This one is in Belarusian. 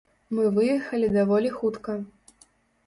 Мы выехалі даволі хутка.